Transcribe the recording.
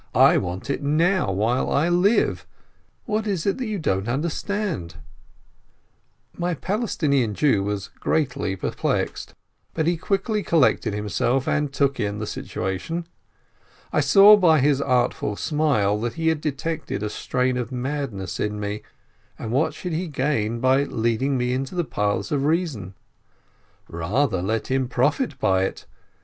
I want it now, while I live ! What is it you don't understand ?" My Palestinian Jew was greatly perplexed, but he quickly collected himself, and took in the situation. I saw by his artful smile that he had detected a strain of madness in me, and what should he gain by leading me into the paths of reason? Rather let him profit by it